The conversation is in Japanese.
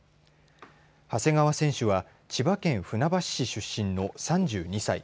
長谷川選手は千葉県船橋市出身の３２歳。